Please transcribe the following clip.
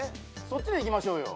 そっちでいきましょうよ。